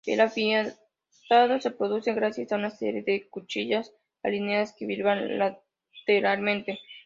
El afeitado se produce gracias a una serie de cuchillas alineadas que vibran lateralmente.